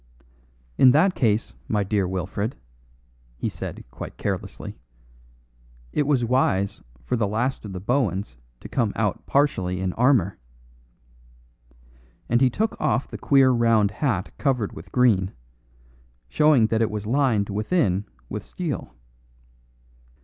"In that case, my dear Wilfred," he said quite carelessly, "it was wise for the last of the Bohuns to come out partially in armour." And he took off the queer round hat covered with green, showing that it was lined within with steel.